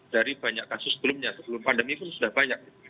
dari banyak kasus sebelumnya sebelum pandemi pun sudah banyak